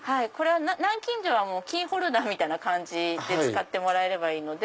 南京錠はキーホルダーみたいな感じで使ってもらえればいいので。